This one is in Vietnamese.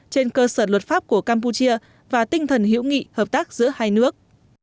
trên cơ sở luật pháp của campuchia và tinh thần hiểu nghị hợp tác giữa hai nước